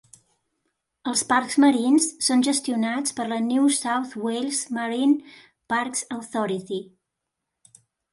Els parcs marins són gestionats per la New South Wales Marine Parks Authority.